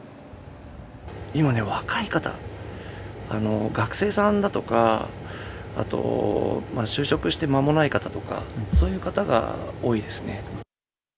今ね、若い方、学生さんだとか、あと就職して間もない方とか、そういう方が多いですね。